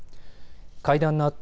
会談のあと